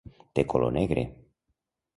Té color negre.